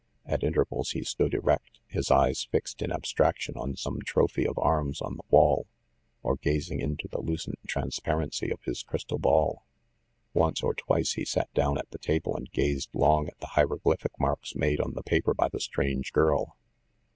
At intervals he stood erect, his eyes fixed in abstraction on some trophy of arms on the wall, or gazing into the lucent trans parency of his crystal ball. Once or twice he sat down at the table and gazed long at the hieroglyphic marks made on the paper by the strange girl.